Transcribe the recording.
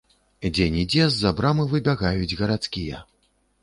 Дзе-нідзе з-за брамы выбягаюць гарадскія.